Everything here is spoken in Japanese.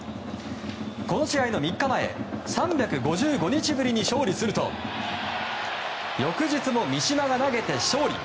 この試合の３日前３５５日ぶりに勝利すると翌日も三嶋が投げて勝利！